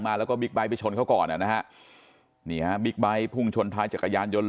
มาแล้วก็บิ๊กไบท์ชนเขาก่อนนะฮะพรุ่งชนท้ายจักรยานยนต์